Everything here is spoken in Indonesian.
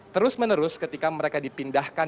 terus menerus ketika mereka dipindahkan